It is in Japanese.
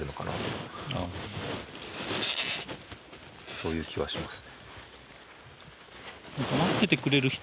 そういう気はしますね。